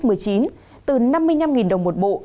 từ năm mươi năm đồng một bộ